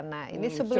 nah ini sebelum